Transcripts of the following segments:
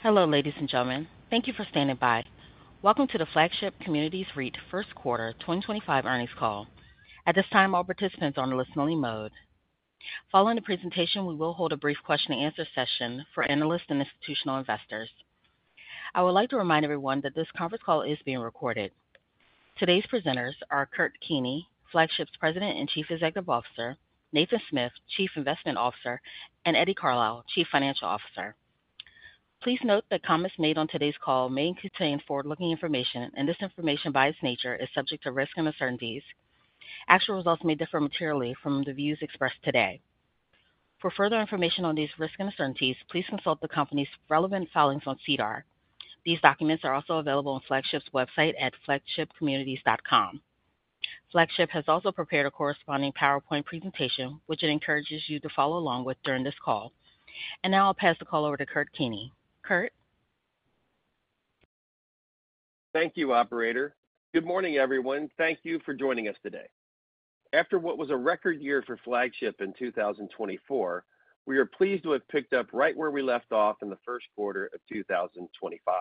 Hello, ladies and gentlemen. Thank you for standing by. Welcome to the Flagship Communities Real Estate Investment Trust First Quarter 2025 earnings call. At this time, all participants are on a listening mode. Following the presentation, we will hold a brief question-and-answer session for analysts and institutional investors. I would like to remind everyone that this conference call is being recorded. Today's presenters are Kurt Keeney, Flagship's President and Chief Executive Officer; Nathan Smith, Chief Investment Officer; and Eddie Carlisle, Chief Financial Officer. Please note that comments made on today's call may contain forward-looking information, and this information, by its nature, is subject to risk and uncertainties. Actual results may differ materially from the views expressed today. For further information on these risks and uncertainties, please consult the company's relevant filings on SEDAR. These documents are also available on Flagship's website at flagshipcommunities.com. Flagship has also prepared a corresponding PowerPoint presentation, which it encourages you to follow along with during this call. I will now pass the call over to Kurt Keeney. Kurt. Thank you, Operator. Good morning, everyone. Thank you for joining us today. After what was a record year for Flagship in 2024, we are pleased to have picked up right where we left off in the first quarter of 2025.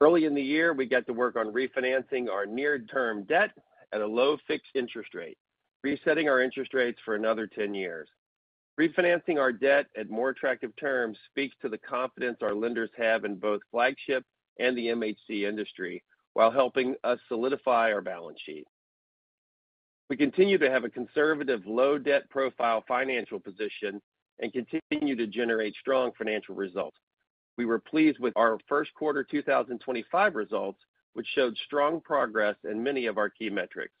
Early in the year, we got to work on refinancing our near-term debt at a low fixed interest rate, resetting our interest rates for another 10 years. Refinancing our debt at more attractive terms speaks to the confidence our lenders have in both Flagship and the MHC industry while helping us solidify our balance sheet. We continue to have a conservative, low-debt profile financial position and continue to generate strong financial results. We were pleased with our first quarter 2025 results, which showed strong progress in many of our key metrics.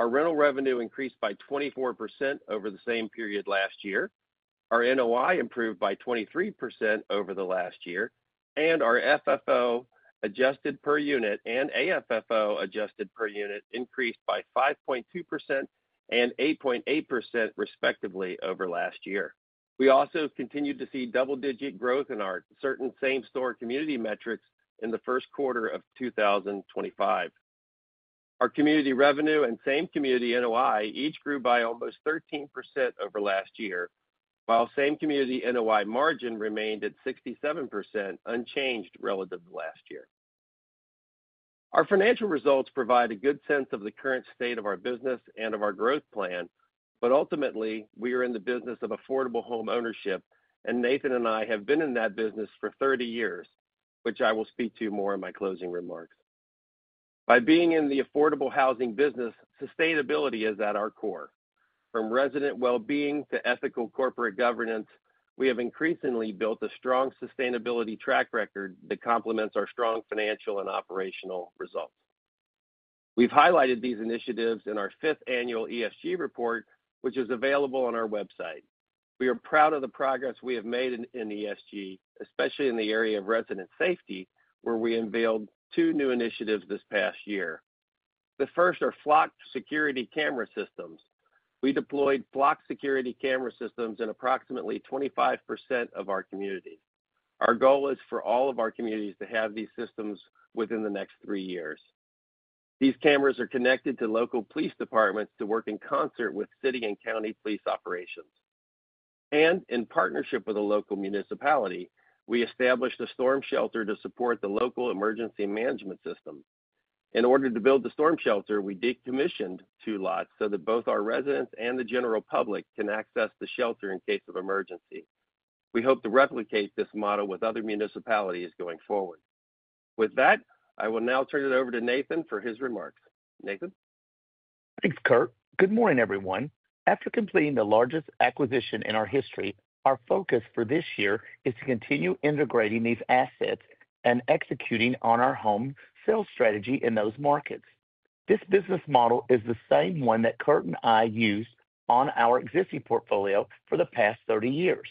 Our rental revenue increased by 24% over the same period last year. Our NOI improved by 23% over the last year, and our FFO adjusted per unit and AFFO adjusted per unit increased by 5.2% and 8.8%, respectively, over last year. We also continued to see double-digit growth in our certain same-store community metrics in the first quarter of 2025. Our community revenue and same-community NOI each grew by almost 13% over last year, while same-community NOI margin remained at 67%, unchanged relative to last year. Our financial results provide a good sense of the current state of our business and of our growth plan. Ultimately, we are in the business of affordable home ownership, and Nathan and I have been in that business for 30 years, which I will speak to more in my closing remarks. By being in the affordable housing business, sustainability is at our core. From resident well-being to ethical corporate governance, we have increasingly built a strong sustainability track record that complements our strong financial and operational results. We've highlighted these initiatives in our fifth annual ESG report, which is available on our website. We are proud of the progress we have made in ESG, especially in the area of resident safety, where we unveiled two new initiatives this past year. The first are Flocked Security Camera Systems. We deployed Flocked Security Camera Systems in approximately 25% of our community. Our goal is for all of our communities to have these systems within the next three years. These cameras are connected to local police departments to work in concert with city and county police operations. In partnership with a local municipality, we established a storm shelter to support the local emergency management system. In order to build the storm shelter, we decommissioned two lots so that both our residents and the general public can access the shelter in case of emergency. We hope to replicate this model with other municipalities going forward. With that, I will now turn it over to Nathan for his remarks. Nathan. Thanks, Kurt. Good morning, everyone. After completing the largest acquisition in our history, our focus for this year is to continue integrating these assets and executing on our home sales strategy in those markets. This business model is the same one that Kurt and I used on our existing portfolio for the past 30 years.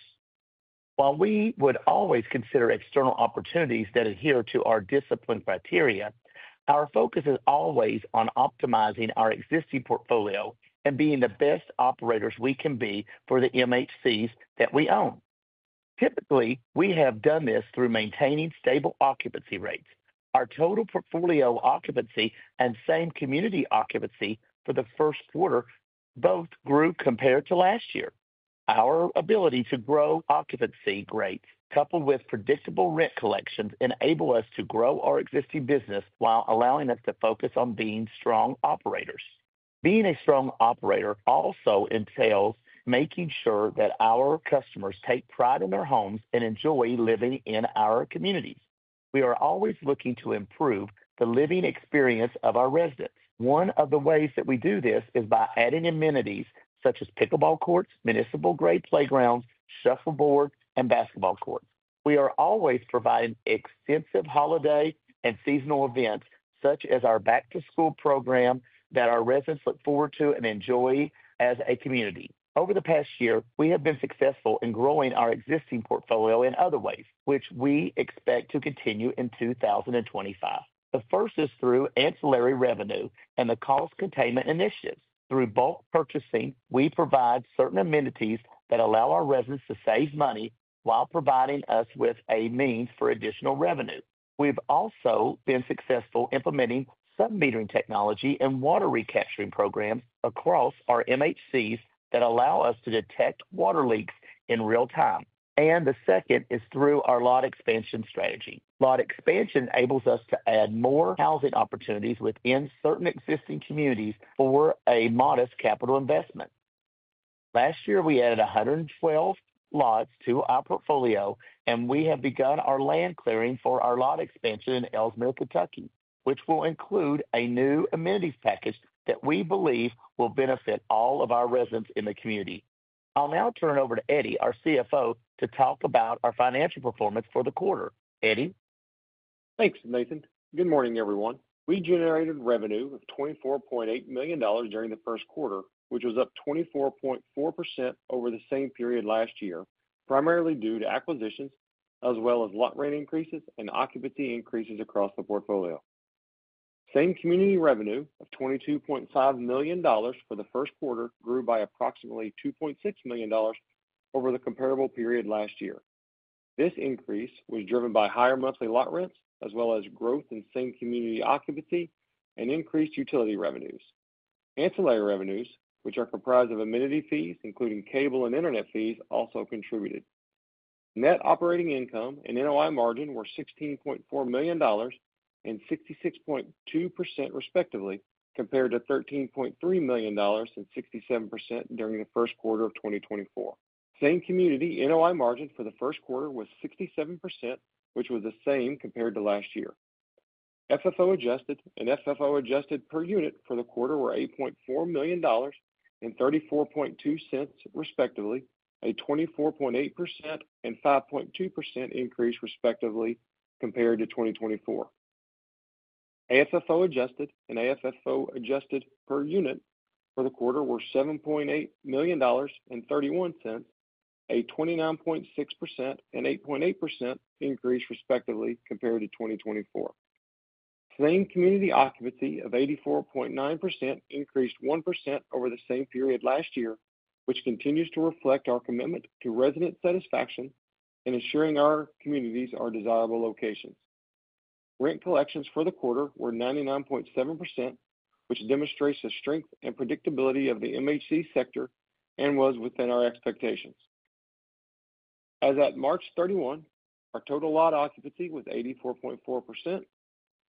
While we would always consider external opportunities that adhere to our discipline criteria, our focus is always on optimizing our existing portfolio and being the best operators we can be for the MHCs that we own. Typically, we have done this through maintaining stable occupancy rates. Our total portfolio occupancy and same-community occupancy for the first quarter both grew compared to last year. Our ability to grow occupancy rates, coupled with predictable rent collections, enables us to grow our existing business while allowing us to focus on being strong operators. Being a strong operator also entails making sure that our customers take pride in their homes and enjoy living in our communities. We are always looking to improve the living experience of our residents. One of the ways that we do this is by adding amenities such as pickleball courts, municipal-grade playgrounds, shuffleboard, and basketball courts. We are always providing extensive holiday and seasonal events such as our back-to-school program that our residents look forward to and enjoy as a community. Over the past year, we have been successful in growing our existing portfolio in other ways, which we expect to continue in 2025. The first is through ancillary revenue and the cost containment initiatives. Through bulk purchasing, we provide certain amenities that allow our residents to save money while providing us with a means for additional revenue. We've also been successful implementing submetering technology and water recapturing programs across our MHCs that allow us to detect water leaks in real time. The second is through our lot expansion strategy. Lot expansion enables us to add more housing opportunities within certain existing communities for a modest capital investment. Last year, we added 112 lots to our portfolio, and we have begun our land clearing for our lot expansion in Ellesmere, Kentucky, which will include a new amenities package that we believe will benefit all of our residents in the community. I'll now turn it over to Eddie, our CFO, to talk about our financial performance for the quarter. Eddie. Thanks, Nathan. Good morning, everyone. We generated revenue of $24.8 million during the first quarter, which was up 24.4% over the same period last year, primarily due to acquisitions as well as lot rate increases and occupancy increases across the portfolio. Same-community revenue of $22.5 million for the first quarter grew by approximately $2.6 million over the comparable period last year. This increase was driven by higher monthly lot rents as well as growth in same-community occupancy and increased utility revenues. Ancillary revenues, which are comprised of amenity fees, including cable and internet fees, also contributed. Net operating income and NOI margin were $16.4 million and 66.2%, respectively, compared to $13.3 million and 67% during the first quarter of 2024. Same-community NOI margin for the first quarter was 67%, which was the same compared to last year. FFO adjusted and FFO adjusted per unit for the quarter were $8.4 million and $0.342, respectively, a 24.8% and 5.2% increase, respectively, compared to 2024. AFFO adjusted and AFFO adjusted per unit for the quarter were $7.8 million and $0.31, a 29.6% and 8.8% increase, respectively, compared to 2024. Same-community occupancy of 84.9% increased 1% over the same period last year, which continues to reflect our commitment to resident satisfaction and ensuring our communities are desirable locations. Rent collections for the quarter were 99.7%, which demonstrates the strength and predictability of the MHC sector and was within our expectations. As at March 31, our total lot occupancy was 84.4%,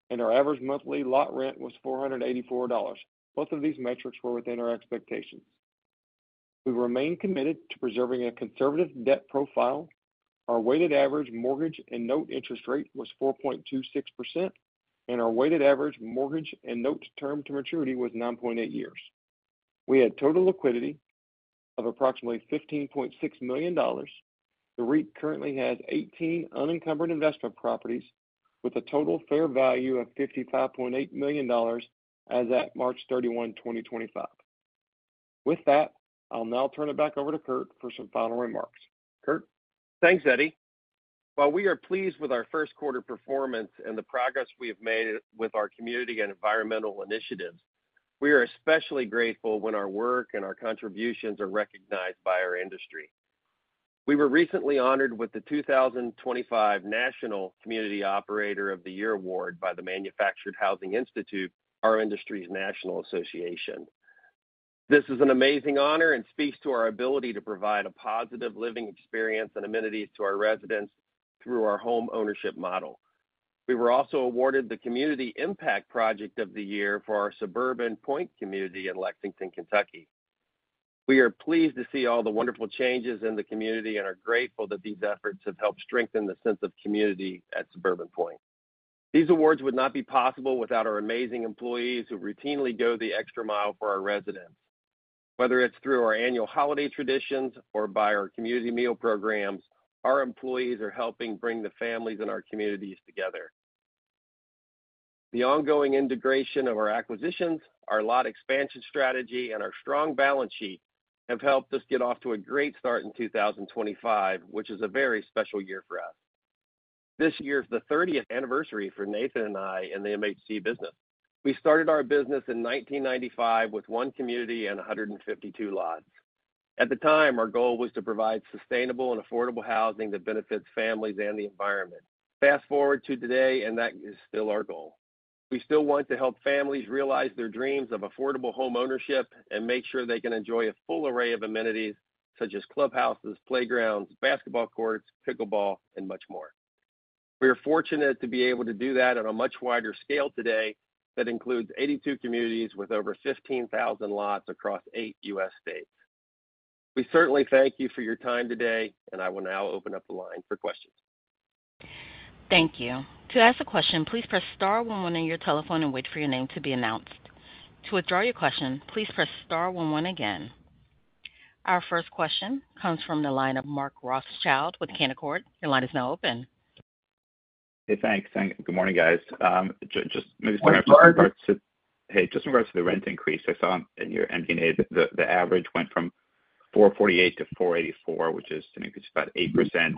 and our average monthly lot rent was $484. Both of these metrics were within our expectations. We remain committed to preserving a conservative debt profile. Our weighted average mortgage and note interest rate was 4.26%, and our weighted average mortgage and note term to maturity was 9.8 years. We had total liquidity of approximately $15.6 million. The REIT currently has 18 unencumbered investment properties with a total fair value of $55.8 million as at March 31, 2025. With that, I'll now turn it back over to Kurt for some final remarks. Kurt. Thanks, Eddie. While we are pleased with our first quarter performance and the progress we have made with our community and environmental initiatives, we are especially grateful when our work and our contributions are recognized by our industry. We were recently honored with the 2025 National Community Operator of the Year Award by the Manufactured Housing Institute, our industry's national association. This is an amazing honor and speaks to our ability to provide a positive living experience and amenities to our residents through our home ownership model. We were also awarded the Community Impact Project of the Year for our Suburban Point community in Lexington, Kentucky. We are pleased to see all the wonderful changes in the community and are grateful that these efforts have helped strengthen the sense of community at Suburban Point. These awards would not be possible without our amazing employees who routinely go the extra mile for our residents. Whether it's through our annual holiday traditions or by our community meal programs, our employees are helping bring the families in our communities together. The ongoing integration of our acquisitions, our lot expansion strategy, and our strong balance sheet have helped us get off to a great start in 2025, which is a very special year for us. This year is the 30th anniversary for Nathan and I in the MHC business. We started our business in 1995 with one community and 152 lots. At the time, our goal was to provide sustainable and affordable housing that benefits families and the environment. Fast forward to today, and that is still our goal. We still want to help families realize their dreams of affordable home ownership and make sure they can enjoy a full array of amenities such as clubhouses, playgrounds, basketball courts, pickleball, and much more. We are fortunate to be able to do that on a much wider scale today that includes 82 communities with over 15,000 lots across eight U.S. states. We certainly thank you for your time today, and I will now open up the line for questions. Thank you. To ask a question, please press star 11 on your telephone and wait for your name to be announced. To withdraw your question, please press star 11 again. Our first question comes from the line of Mark Rothschild with Canaccord. Your line is now open. Hey, thanks. Good morning, guys. Just maybe starting off. Hey, Kurt. Hey, just in regards to the rent increase I saw in your MD&A, the average went from $448 to $484, which is an increase of about 8%.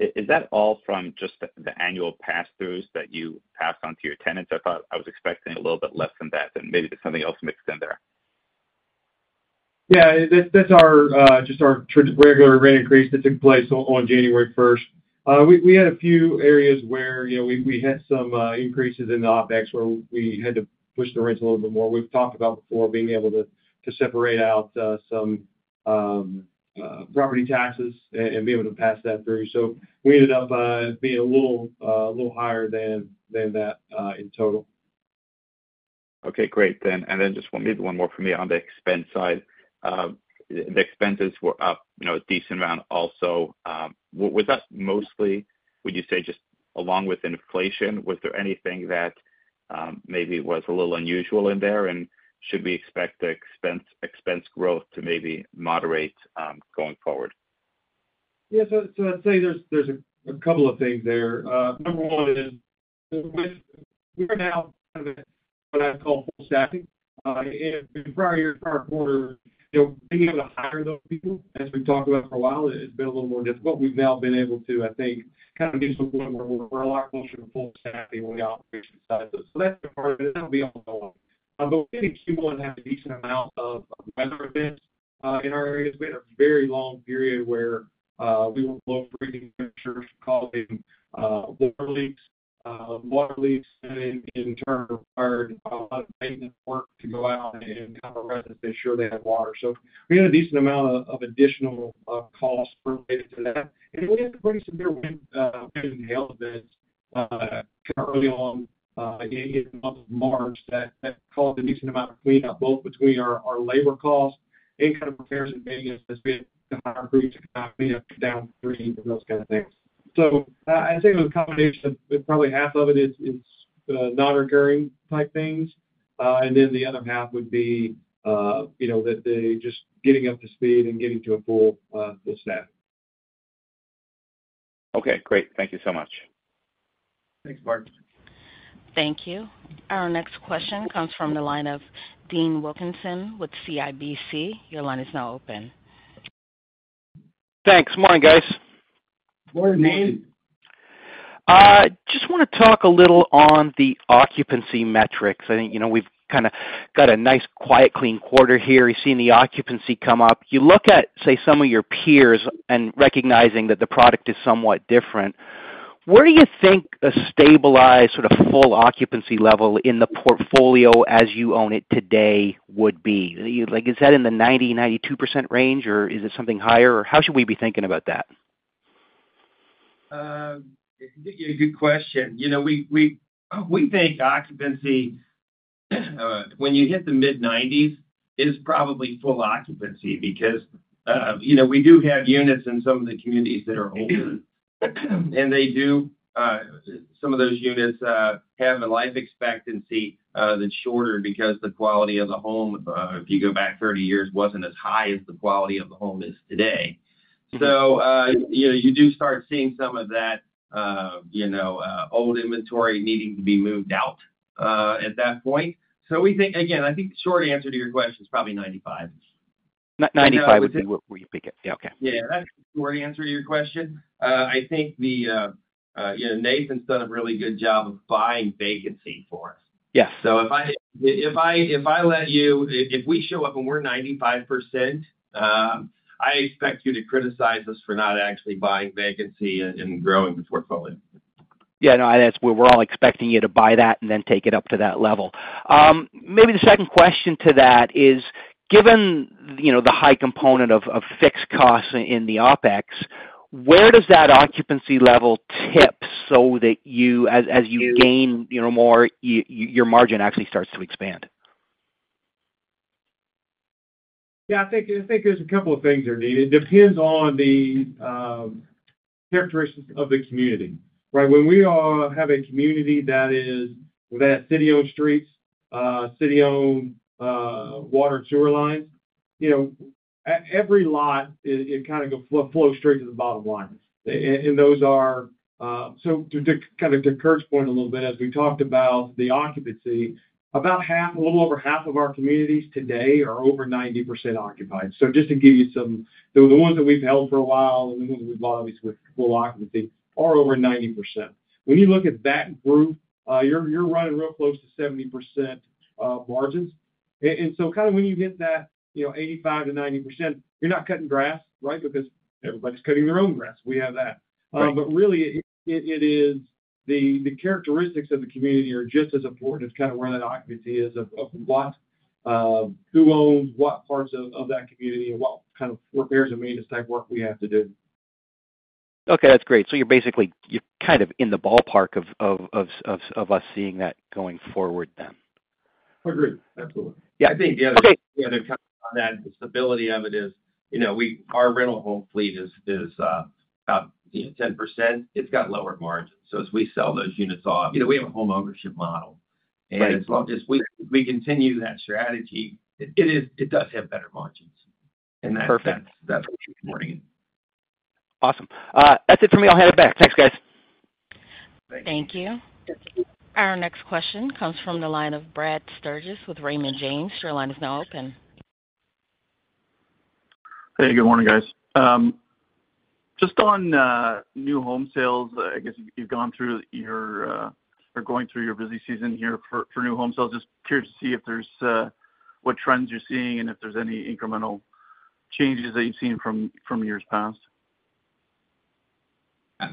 Is that all from just the annual pass-throughs that you pass on to your tenants? I thought I was expecting a little bit less than that, that maybe something else mixed in there. Yeah, that's just our regular rent increase that took place on January 1. We had a few areas where we had some increases in the OpEx where we had to push the rents a little bit more. We've talked about before being able to separate out some property taxes and be able to pass that through. We ended up being a little higher than that in total. Okay, great. Just maybe one more from me on the expense side. The expenses were up a decent amount also. Was that mostly, would you say, just along with inflation? Was there anything that maybe was a little unusual in there? Should we expect the expense growth to maybe moderate going forward? Yeah, so I'd say there's a couple of things there. Number one is we're now kind of at what I call full stacking. In prior years, prior quarters, being able to hire those people, as we've talked about for a while, has been a little more difficult. We've now been able to, I think, kind of get to a point where we're a lot closer to full stacking on the operations side of those. That's part of it. That'll be ongoing. We've had a decent amount of weather events in our areas. We had a very long period where we were below freezing temperatures causing water leaks. Water leaks, in turn, required a lot of maintenance work to go out and kind of assess and make sure they had water. We had a decent amount of additional costs related to that. We had pretty severe wind and hail events early on in the month of March that caused a decent amount of cleanup, both between our labor costs and kind of repairs and maintenance that has been to hire crews to kind of clean up downstream and those kind of things. I would say it was a combination of probably half of it is non-recurring type things. The other half would be just getting up to speed and getting to a full stack. Okay, great. Thank you so much. Thanks, Mark. Thank you. Our next question comes from the line of Dean Wilkinson with CIBC. Your line is now open. Thanks. Morning, guys. Morning, Nathan. Just want to talk a little on the occupancy metrics. I think we've kind of got a nice quiet, clean quarter here. You've seen the occupancy come up. You look at, say, some of your peers and recognizing that the product is somewhat different. Where do you think a stabilized sort of full occupancy level in the portfolio as you own it today would be? Is that in the 90-92% range, or is it something higher? How should we be thinking about that? Good question. We think occupancy, when you hit the mid-90s, is probably full occupancy because we do have units in some of the communities that are older. Some of those units have a life expectancy that's shorter because the quality of the home, if you go back 30 years, wasn't as high as the quality of the home is today. You do start seeing some of that old inventory needing to be moved out at that point. Again, I think the short answer to your question is probably 95%. 95 would be what you'd be getting. Okay. Yeah, that's the short answer to your question. I think Nathan's done a really good job of buying vacancy for us. If we show up and we're 95%, I expect you to criticize us for not actually buying vacancy and growing the portfolio. Yeah, no, we're all expecting you to buy that and then take it up to that level. Maybe the second question to that is, given the high component of fixed costs in the opex, where does that occupancy level tip so that as you gain more, your margin actually starts to expand? Yeah, I think there's a couple of things there. It depends on the characteristics of the community. When we have a community that has city-owned streets, city-owned water and sewer lines, every lot, it kind of flows straight to the bottom line. Those are, to Kurt's point a little bit, as we talked about the occupancy, about half, a little over half of our communities today are over 90% occupied. Just to give you some, the ones that we've held for a while and the ones that we've bought, obviously, with full occupancy are over 90%. When you look at that group, you're running real close to 70% margins. Kind of when you hit that 85%-90%, you're not cutting grass, right? Because everybody's cutting their own grass. We have that. It is the characteristics of the community are just as important as kind of where that occupancy is of who owns what parts of that community and what kind of repairs and maintenance type work we have to do. Okay, that's great. So you're basically kind of in the ballpark of us seeing that going forward then. Agreed. Absolutely. Yeah, I think the other thing on that, the stability of it is our rental home fleet is about 10%. It's got lower margins. As we sell those units off, we have a homeownership model. As long as we continue that strategy, it does have better margins. That's what we're bringing. Awesome. That's it for me. I'll hand it back. Thanks, guys. Thank you. Our next question comes from the line of Brad Sturges with Raymond James. Your line is now open. Hey, good morning, guys. Just on new home sales, I guess you've gone through your—you're going through your busy season here for new home sales. Just curious to see what trends you're seeing and if there's any incremental changes that you've seen from years past.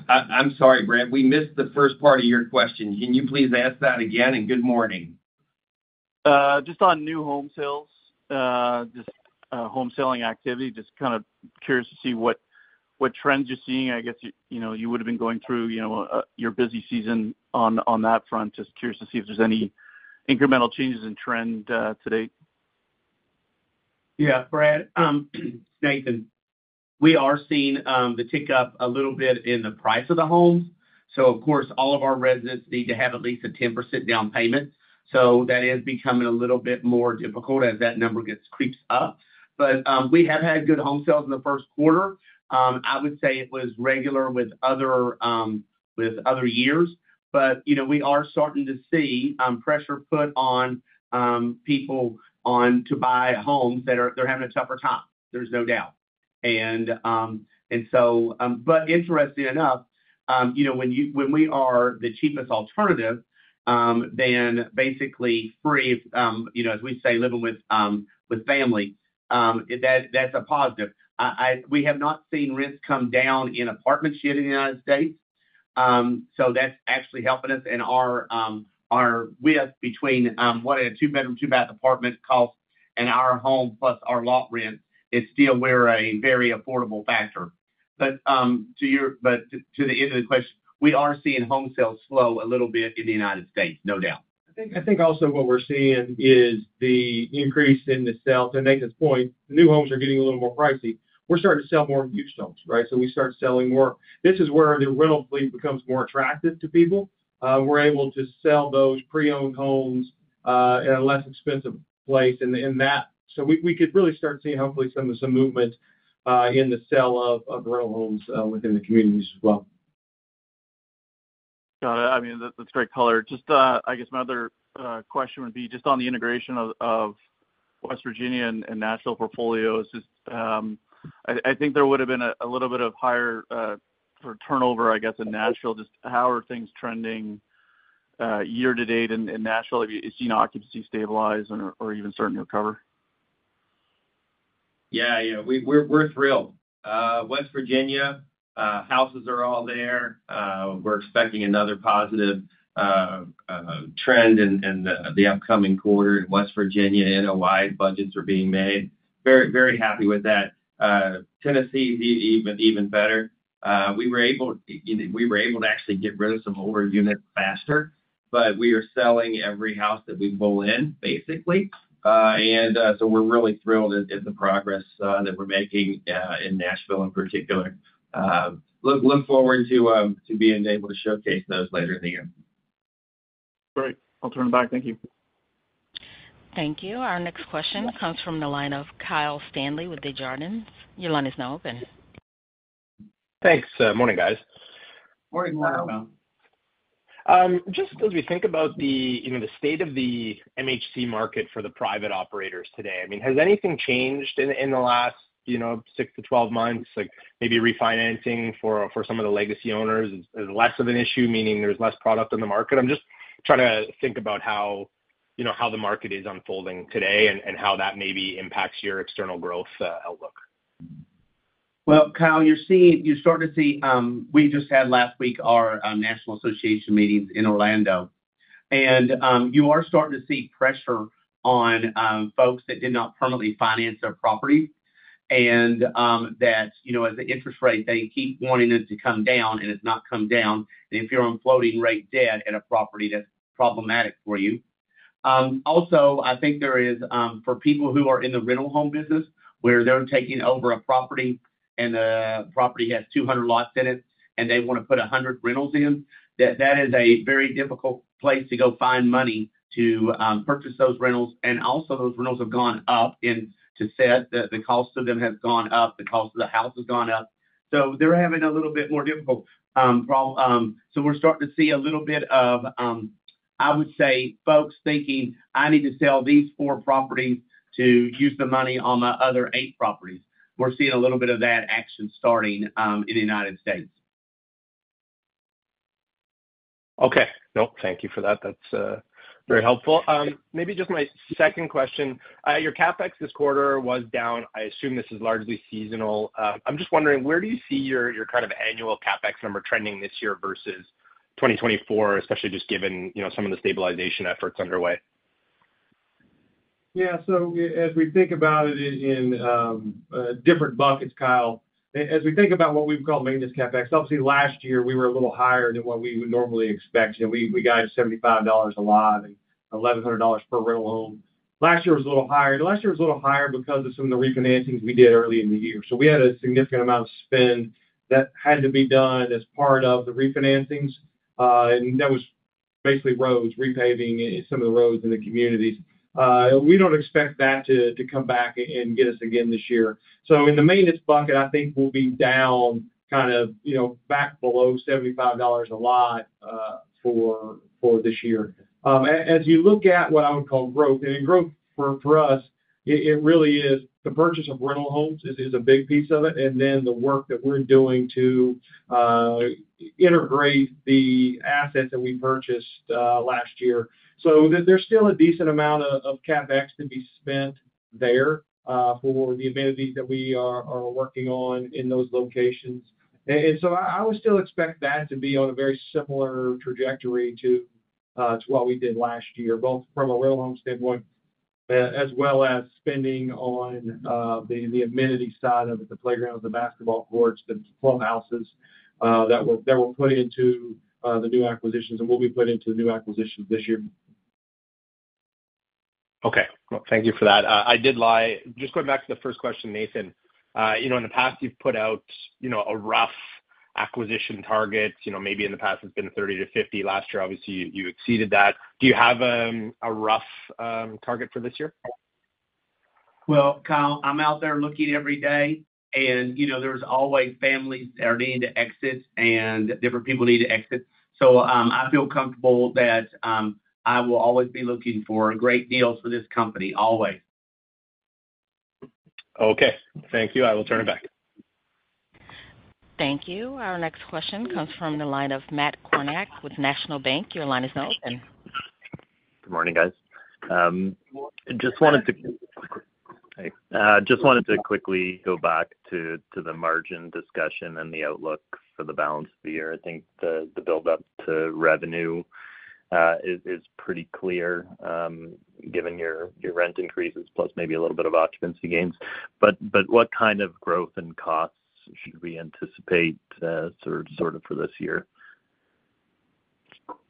I'm sorry, Brad. We missed the first part of your question. Can you please ask that again? Good morning. Just on new home sales, just home selling activity, just kind of curious to see what trends you're seeing. I guess you would have been going through your busy season on that front. Just curious to see if there's any incremental changes in trend today. Yeah, Brad, Nathan, we are seeing the tick up a little bit in the price of the homes. Of course, all of our residents need to have at least a 10% down payment. That is becoming a little bit more difficult as that number creeps up. We have had good home sales in the first quarter. I would say it was regular with other years. We are starting to see pressure put on people to buy homes that they're having a tougher time. There's no doubt. Interesting enough, when we are the cheapest alternative, then basically free, as we say, living with family, that's a positive. We have not seen rents come down in apartment share in the U.S. That is actually helping us. Our width between what a two-bedroom, two-bath apartment costs and our home plus our lot rent is still a very affordable factor. To the end of the question, we are seeing home sales slow a little bit in the U.S., no doubt. I think also what we are seeing is the increase in the sell. To Nathan's point, the new homes are getting a little more pricey. We are starting to sell more of used homes, right? We start selling more. This is where the rental fleet becomes more attractive to people. We are able to sell those pre-owned homes at a less expensive place in that. We could really start seeing, hopefully, some movement in the sale of rental homes within the communities as well. Got it. I mean, that's great color. Just, I guess, my other question would be just on the integration of West Virginia and Nashville portfolios. I think there would have been a little bit of higher turnover, I guess, in Nashville. Just how are things trending year to date in Nashville? Have you seen occupancy stabilize or even starting to recover? Yeah, yeah. We're thrilled. West Virginia, houses are all there. We're expecting another positive trend in the upcoming quarter in West Virginia. NOI budgets are being made. Very happy with that. Tennessee, even better. We were able to actually get rid of some older units faster, but we are selling every house that we pull in, basically. We're really thrilled at the progress that we're making in Nashville in particular. Look forward to being able to showcase those later in the year. Great. I'll turn it back. Thank you. Thank you. Our next question comes from the line of Kyle Stanley with Desjardins. Your line is now open. Thanks. Morning, guys. Morning, Mark. Just as we think about the state of the MHC market for the private operators today, I mean, has anything changed in the last 6 to 12 months? Maybe refinancing for some of the legacy owners is less of an issue, meaning there's less product in the market. I'm just trying to think about how the market is unfolding today and how that maybe impacts your external growth outlook. Kyle, you're starting to see—we just had last week our National Association meetings in Orlando. You are starting to see pressure on folks that did not permanently finance their property and that, as the interest rate, they keep wanting it to come down, and it has not come down. If you're on floating rate debt at a property, that's problematic for you. Also, I think there is, for people who are in the rental home business, where they're taking over a property and the property has 200 lots in it, and they want to put 100 rentals in, that is a very difficult place to go find money to purchase those rentals. Also, those rentals have gone up. To say that the cost of them has gone up, the cost of the house has gone up. They're having a little bit more difficult. We're starting to see a little bit of, I would say, folks thinking, "I need to sell these four properties to use the money on my other eight properties." We're seeing a little bit of that action starting in the United States. Okay. Nope. Thank you for that. That's very helpful. Maybe just my second question. Your CapEx this quarter was down. I assume this is largely seasonal. I'm just wondering, where do you see your kind of annual CapEx number trending this year versus 2024, especially just given some of the stabilization efforts underway? Yeah. As we think about it in different buckets, Kyle, as we think about what we call maintenance CapEx, obviously, last year, we were a little higher than what we would normally expect. We got $75 a lot and $1,100 per rental home. Last year was a little higher. Last year was a little higher because of some of the refinancings we did early in the year. We had a significant amount of spend that had to be done as part of the refinancings. That was basically roads, repaving some of the roads in the communities. We do not expect that to come back and get us again this year. In the maintenance bucket, I think we will be down kind of back below $75 a lot for this year. As you look at what I would call growth, and in growth for us, it really is the purchase of rental homes is a big piece of it, and then the work that we're doing to integrate the assets that we purchased last year. There is still a decent amount of CapEx to be spent there for the amenities that we are working on in those locations. I would still expect that to be on a very similar trajectory to what we did last year, both from a rental home standpoint as well as spending on the amenity side of it, the playgrounds, the basketball courts, the clubhouses that were put into the new acquisitions and will be put into the new acquisitions this year. Okay. Thank you for that. I did lie. Just going back to the first question, Nathan, in the past, you've put out a rough acquisition target. Maybe in the past, it's been 30-50. Last year, obviously, you exceeded that. Do you have a rough target for this year? Kyle, I'm out there looking every day, and there's always families that are needing to exit and different people need to exit. I feel comfortable that I will always be looking for great deals for this company, always. Okay. Thank you. I will turn it back. Thank you. Our next question comes from the line of Matt Kornack with National Bank. Your line is now open. Good morning, guys. Just wanted to quickly go back to the margin discussion and the outlook for the balance of the year. I think the build-up to revenue is pretty clear given your rent increases plus maybe a little bit of occupancy gains. What kind of growth in costs should we anticipate sort of for this year?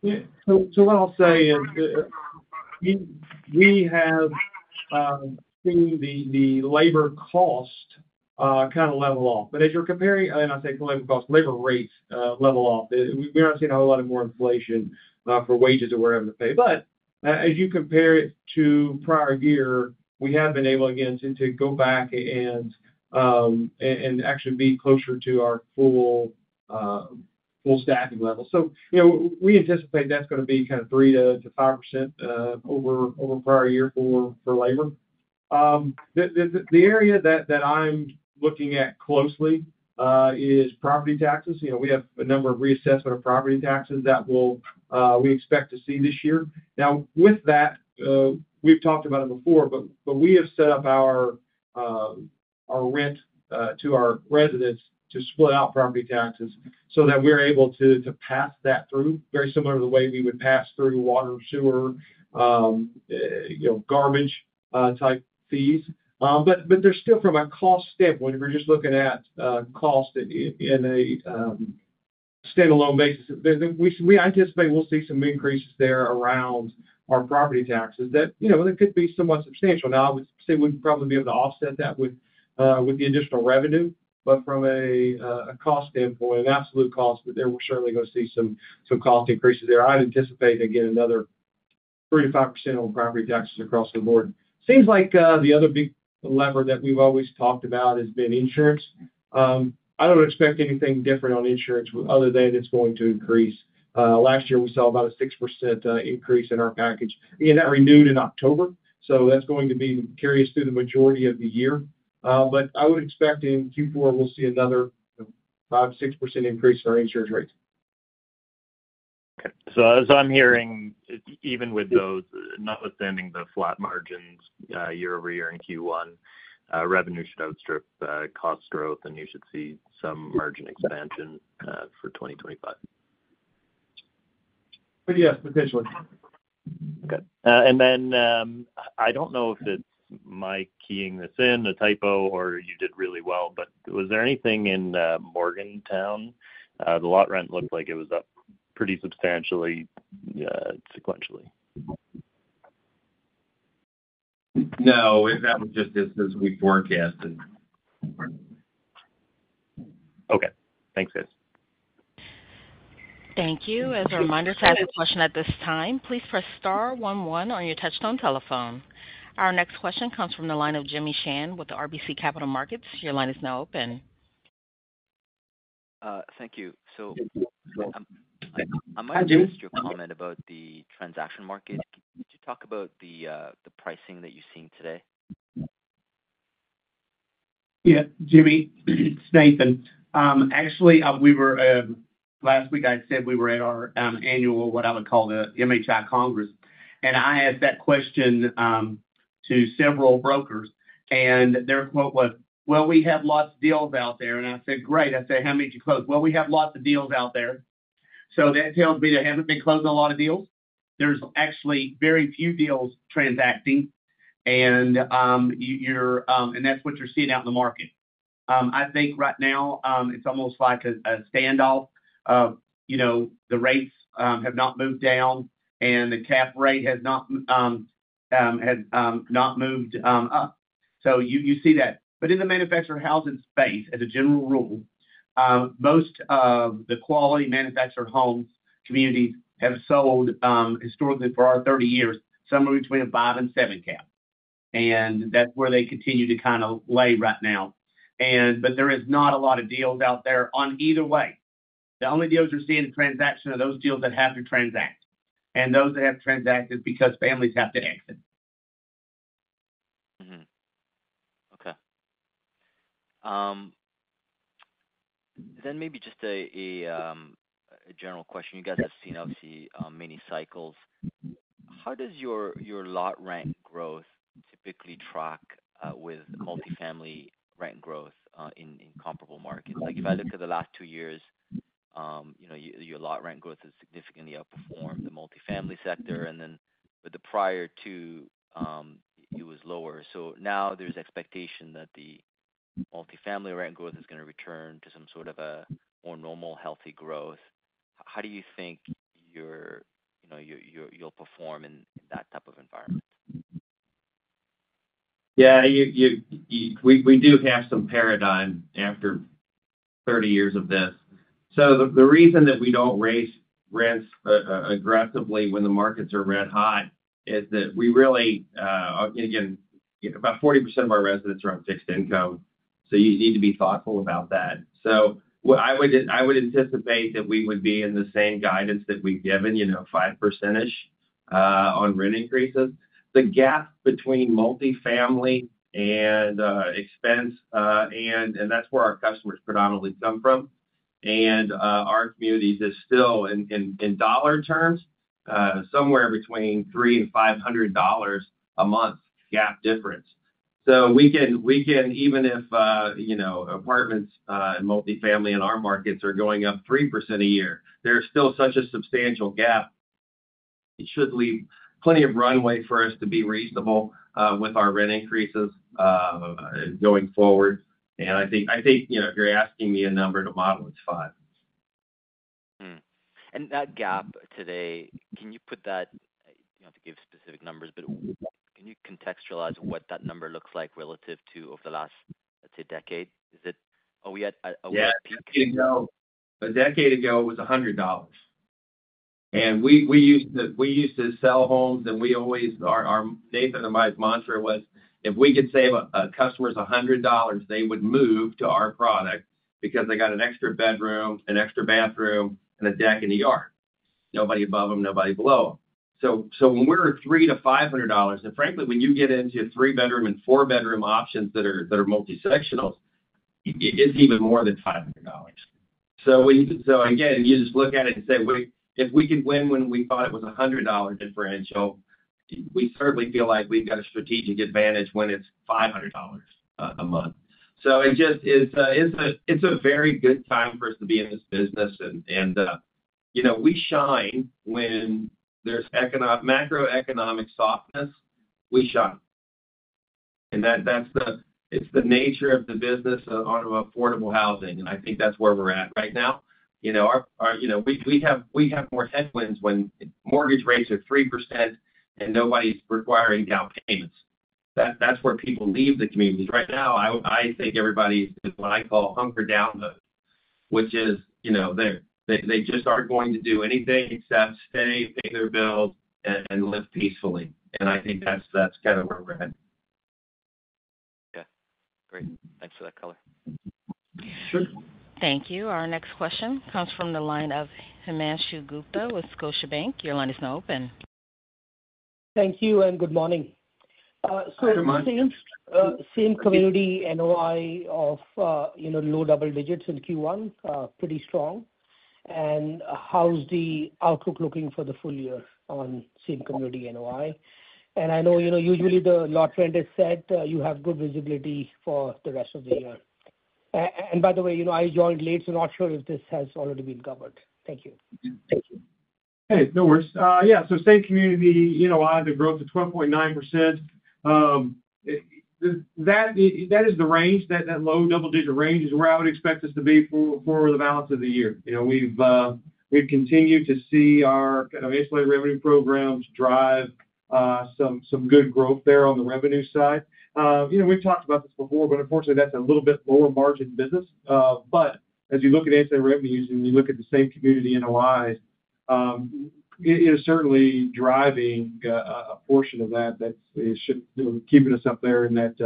What I'll say is we have seen the labor cost kind of level off. As you're comparing—and I say labor cost, labor rates level off. We aren't seeing a whole lot of more inflation for wages that we're having to pay. As you compare it to prior year, we have been able, again, to go back and actually be closer to our full staffing level. We anticipate that's going to be kind of 3%-5% over prior year for labor. The area that I'm looking at closely is property taxes. We have a number of reassessment of property taxes that we expect to see this year. Now, with that, we've talked about it before, but we have set up our rent to our residents to split out property taxes so that we're able to pass that through, very similar to the way we would pass through water, sewer, garbage-type fees. There's still, from a cost standpoint, if we're just looking at cost in a standalone basis, we anticipate we'll see some increases there around our property taxes that could be somewhat substantial. I would say we'd probably be able to offset that with the additional revenue. From a cost standpoint, an absolute cost, we're certainly going to see some cost increases there. I'd anticipate, again, another 3%-5% on property taxes across the board. Seems like the other big lever that we've always talked about has been insurance. I don't expect anything different on insurance other than it's going to increase. Last year, we saw about a 6% increase in our package. Again, that renewed in October. That's going to carry us through the majority of the year. I would expect in Q4, we'll see another 5-6% increase in our insurance rates. Okay. So as I'm hearing, even with those notwithstanding the flat margins year over year in Q1, revenue should outstrip cost growth, and you should see some margin expansion for 2025. Yes, potentially. Okay. I do not know if it is Mike keying this in, the typo, or you did really well, but was there anything in Morgantown? The lot rent looked like it was up pretty substantially sequentially. No. That was just as we forecasted. Okay. Thanks, guys. Thank you. As a reminder, to ask a question at this time, please press star 11 on your touchstone telephone. Our next question comes from the line of Jimmy Shan with RBC Capital Markets. Your line is now open. Thank you. I might have missed your comment about the transaction market. Could you talk about the pricing that you're seeing today? Yeah. Jimmy, it's Nathan. Actually, last week, I had said we were at our annual, what I would call the MHI Congress. I asked that question to several brokers. Their quote was, "Well, we have lots of deals out there." I said, "Great." I said, "How many did you close?" "Well, we have lots of deals out there." That tells me there have not been closed a lot of deals. There are actually very few deals transacting. That is what you are seeing out in the market. I think right now, it is almost like a standoff. The rates have not moved down, and the cap rate has not moved up. You see that. In the manufactured housing space, as a general rule, most of the quality manufactured home communities have sold historically for our 30 years, somewhere between a 5-7 cap. That's where they continue to kind of lay right now. There is not a lot of deals out there either way. The only deals you're seeing in transaction are those deals that have to transact. Those that have to transact is because families have to exit. Okay. Maybe just a general question. You guys have seen obviously many cycles. How does your lot rent growth typically track with multifamily rent growth in comparable markets? If I look at the last two years, your lot rent growth has significantly outperformed the multifamily sector. With the prior two, it was lower. Now there is expectation that the multifamily rent growth is going to return to some sort of a more normal, healthy growth. How do you think you'll perform in that type of environment? Yeah. We do have some paradigm after 30 years of this. The reason that we do not raise rents aggressively when the markets are red hot is that we really, again, about 40% of our residents are on fixed income. You need to be thoughtful about that. I would anticipate that we would be in the same guidance that we have given, 5%ish on rent increases. The gap between multifamily and expense, and that is where our customers predominantly come from, and our communities is still, in dollar terms, somewhere between $300-$500 a month gap difference. We can, even if apartments and multifamily in our markets are going up 3% a year, there is still such a substantial gap. It should leave plenty of runway for us to be reasonable with our rent increases going forward. I think if you're asking me a number to model, it's 5. That gap today, can you put that—you do not have to give specific numbers—but can you contextualize what that number looks like relative to over the last, let's say, decade? Is it a weird peak? A decade ago, it was $100. And we used to sell homes, and we always—Nathan and my mantra was, "If we could save a customer $100, they would move to our product because they got an extra bedroom, an extra bathroom, and a deck in the yard. Nobody above them, nobody below them." When we're $300-$500, and frankly, when you get into three-bedroom and four-bedroom options that are multisectionals, it's even more than $500. You just look at it and say, "If we could win when we thought it was a $100 differential, we certainly feel like we've got a strategic advantage when it's $500 a month." It's a very good time for us to be in this business. We shine when there's macroeconomic softness. We shine. It's the nature of the business on affordable housing. I think that's where we're at right now. We have more headwinds when mortgage rates are 3% and nobody's requiring down payments. That's where people leave the communities. Right now, I think everybody's in what I call hunker down mode, which is they just aren't going to do anything except stay, pay their bills, and live peacefully. I think that's kind of where we're at. Okay. Great. Thanks for that color. Sure. Thank you. Our next question comes from the line of Himanshu Gupta with Scotiabank. Your line is now open. Thank you and good morning. Good morning. Same community NOI of low double digits in Q1, pretty strong. How's the outlook looking for the full year on same community NOI? I know usually the lot rent is set, you have good visibility for the rest of the year. By the way, I joined late, so not sure if this has already been covered. Thank you. Thank you. Hey, no worries. Yeah. So same community NOI, the growth is 12.9%. That is the range, that low double-digit range is where I would expect us to be for the balance of the year. We've continued to see our kind of ancillary revenue programs drive some good growth there on the revenue side. We've talked about this before, but unfortunately, that's a little bit lower margin business. As you look at ancillary revenues and you look at the same community NOIs, it is certainly driving a portion of that that's keeping us up there in the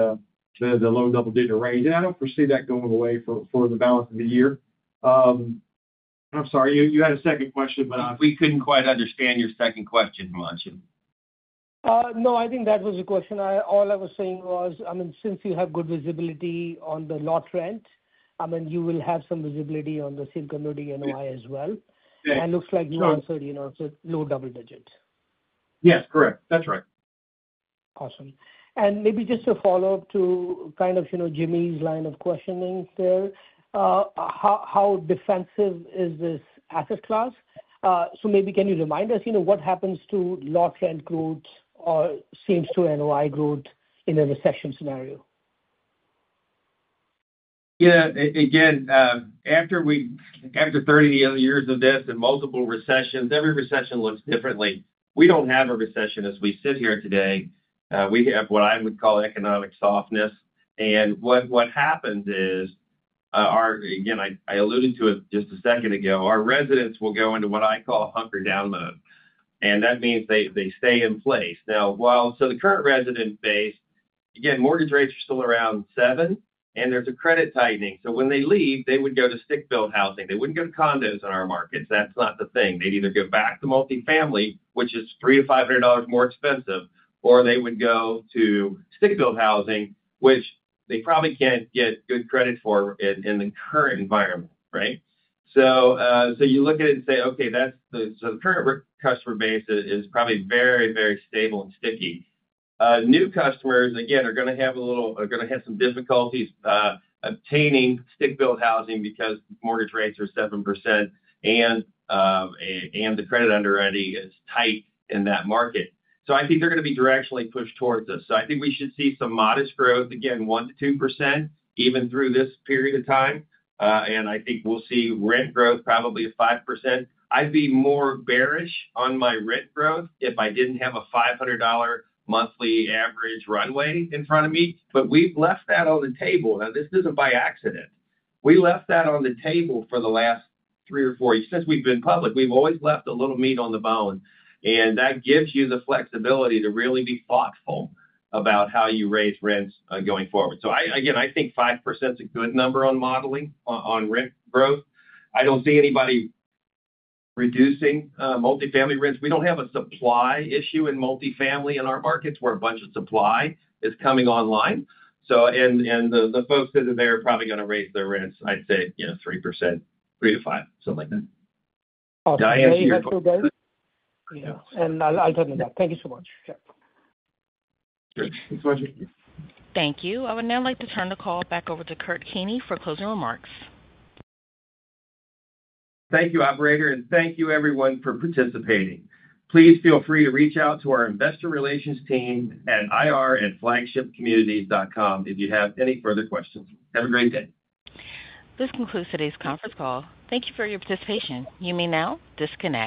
low double-digit range. I do not foresee that going away for the balance of the year. I'm sorry. You had a second question, but. We couldn't quite understand your second question, Himanshu. No, I think that was the question. All I was saying was, I mean, since you have good visibility on the lot rent, I mean, you will have some visibility on the same community NOI as well. It looks like you answered low double digits. Yes, correct. That's right. Awesome. Maybe just a follow-up to kind of Jimmy's line of questioning there. How defensive is this asset class? Maybe can you remind us what happens to lot rent growth or, it seems, to NOI growth in a recession scenario? Yeah. Again, after 30 years of this and multiple recessions, every recession looks differently. We do not have a recession as we sit here today. We have what I would call economic softness. What happens is, again, I alluded to it just a second ago, our residents will go into what I call hunker down mode. That means they stay in place. Now, the current resident base, again, mortgage rates are still around 7%, and there is a credit tightening. When they leave, they would go to stick-built housing. They would not go to condos in our markets. That is not the thing. They would either go back to multifamily, which is $300-$500 more expensive, or they would go to stick-built housing, which they probably cannot get good credit for in the current environment, right? You look at it and say, "Okay, the current customer base is probably very, very stable and sticky." New customers, again, are going to have a little—are going to have some difficulties obtaining stick-built housing because mortgage rates are 7% and the credit underwriting is tight in that market. I think they're going to be directionally pushed towards us. I think we should see some modest growth, again, 1-2%, even through this period of time. I think we'll see rent growth probably of 5%. I'd be more bearish on my rent growth if I didn't have a $500 monthly average runway in front of me. We have left that on the table. This isn't by accident. We left that on the table for the last three or four years. Since we've been public, we've always left a little meat on the bone. That gives you the flexibility to really be thoughtful about how you raise rents going forward. I think 5% is a good number on modeling on rent growth. I don't see anybody reducing multifamily rents. We don't have a supply issue in multifamily in our markets where a bunch of supply is coming online. The folks that are there are probably going to raise their rents, I'd say, 3%, 3-5%, something like that. Awesome. Thank you so much. I'll turn it back. Thank you so much. Thanks, Himanshu. Thank you. I would now like to turn the call back over to Kurt Keeney for closing remarks. Thank you, operator. Thank you, everyone, for participating. Please feel free to reach out to our investor relations team at ir@flagshipcommunities.com if you have any further questions. Have a great day. This concludes today's conference call. Thank you for your participation. You may now disconnect.